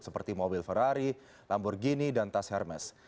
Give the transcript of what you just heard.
seperti mobil ferrari lamborghini dan tas hermes